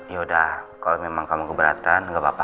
yaudah kalau memang kamu keberatan gak apa apa